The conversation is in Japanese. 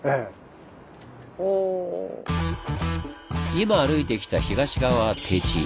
今歩いてきた東側は低地。